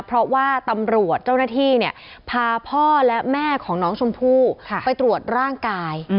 เพราะว่าตำรวจเจ้าหน้าที่เนี่ยพาพ่อและแม่ของน้องชมพู่ไปตรวจร่างกาย